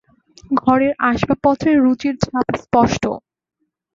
ঘরের আসবাবপত্রে রুচির ছাপ স্পষ্ট।